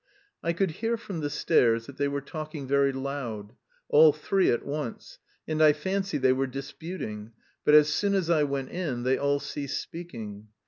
I could hear from the stairs that they were talking very loud, all three at once, and I fancy they were disputing; but as soon as I went in, they all ceased speaking.